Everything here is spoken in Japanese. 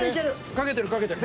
かけてるかけてる。